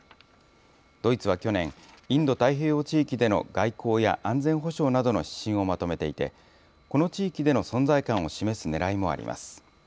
ドイツは去年、インド太平洋地域での外交や安全保障などの指針をまとめていて、この地域での存在感を示すねらいもあります。